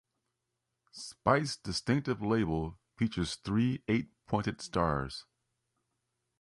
Speight's distinctive label features three eight-pointed stars.